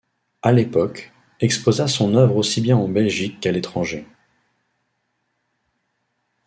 À l'époque, exposa son œuvre aussi bien en Belgique qu'à l'étranger.